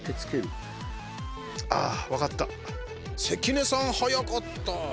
関根さん、早かった。